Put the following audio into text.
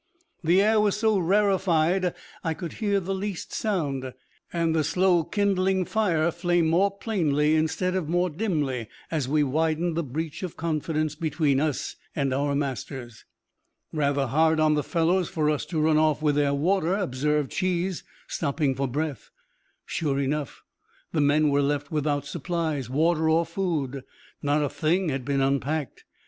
The air was so rarified I could hear the least sound, and the slow kindling fire flamed more plainly instead of more dimly as we widened the breach of confidence between us and our masters. "Rather hard on the fellows for us to run off with their water," observed Cheese, stopping for breath. Sure enough, the men were left without supplies, water or food. Not a thing had been unpacked.